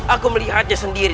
aku melihatnya sendiri